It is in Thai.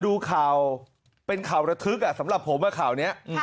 ดูข่าวเป็นข่าวระทึกสำหรับผมข่าวนี้